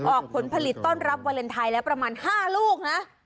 ผลผลิตต้อนรับวาเลนไทยแล้วประมาณ๕ลูกนะ